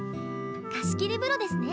貸し切り風呂ですね。